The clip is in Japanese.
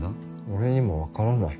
俺にも分からない。